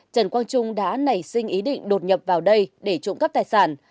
trần quang trung đã nảy sinh ý định đột nhập vào đây để trộm cắp tài sản